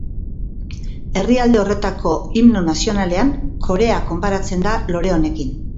Herrialde horretako himno nazionalean Korea konparatzen da lore honekin.